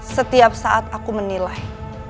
setiap saat aku menilai